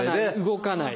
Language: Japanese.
動かない。